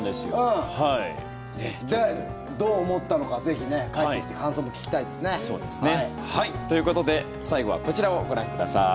どう思ったのかぜひ帰ってきてそうですね。ということで最後はこちらをご覧ください。